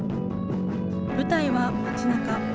舞台は街なか。